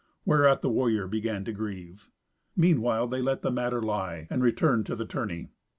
Whereat the warrior began to grieve. Meanwhile they let the matter lie, and returned to the tourney.